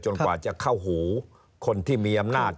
กว่าจะเข้าหูคนที่มีอำนาจ